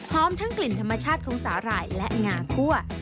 ทั้งกลิ่นธรรมชาติของสาหร่ายและงาคั่ว